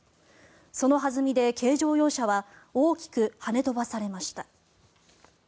その弾みで軽乗用車は大きく跳ね飛ばされました。